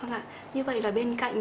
vâng ạ như vậy là bên cạnh